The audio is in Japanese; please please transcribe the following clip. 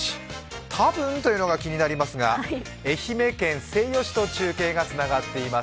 「たぶん」というのが気になりますが愛媛県西予市と中継がつながっています。